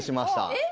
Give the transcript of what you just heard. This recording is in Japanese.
えっ！